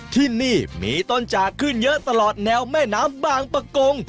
ที่นี่มีต้นจากขึ้นเยอะตลอดแนวแม่น้ำบางประกง